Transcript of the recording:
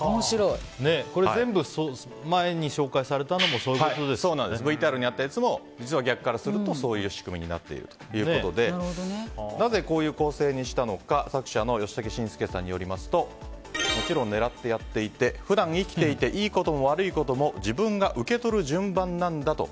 これ全部、前に紹介されたのもＶＴＲにあったやつも実は逆から読むとそういう仕組みになっているということでなぜ、こういう構成にしたのか作者のヨシタケシンスケさんによりますともちろん狙ってやっていて普段、生きていていいことも悪いことも自分が受け取る順番なんだと。